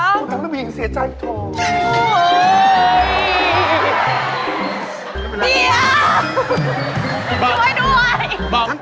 พูดงั้นแล้วผู้หญิงเสียใจพี่ทอง